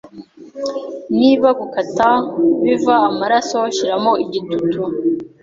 Niba gukata biva amaraso, shyiramo igitutu.